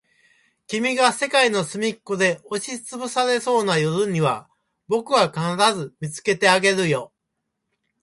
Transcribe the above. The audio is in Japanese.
君が世界のすみっこで押しつぶされそうな夜には、僕が必ず見つけてあげるよ。